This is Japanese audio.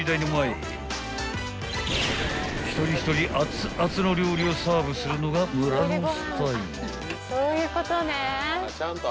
［一人一人熱々の料理をサーブするのが村野スタイル］